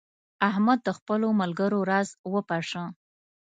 احمد د خپلو ملګرو راز وپاشه.